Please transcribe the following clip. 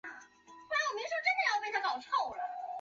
各类展览作品和相关的艺术活动散布于城市的各个角落。